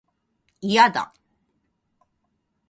いやだ